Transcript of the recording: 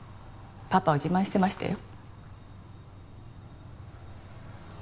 パパを自慢してましたよ。